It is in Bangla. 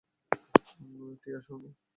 টিয়া, শুনো।